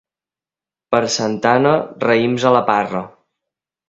Per Santa Anna, raïms a la parra.